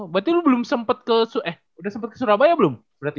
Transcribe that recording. berarti lu belum sempat ke surabaya belum berarti